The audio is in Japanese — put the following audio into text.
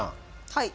はい。